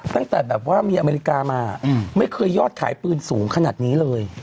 ตั้งแต่มีอเมริกามาไม่เคยยอดขายปืนสูงนี่เลย